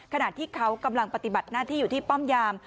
ขณะที่เขากำลังปฏิบัติหน้าที่อยู่ที่ป้อมยาม